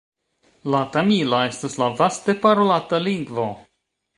La tamila estas la vaste parolata lingvo.